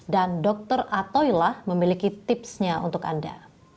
dan dokter atoylah memiliki tipsnya untuk anda